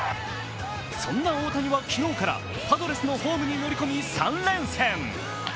そんな大谷は昨日からパドレスのホームに乗り込み３連戦。